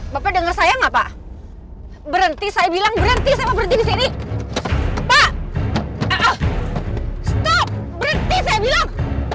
bapak denger saya gak pak berhenti saya bilang berhenti saya bilang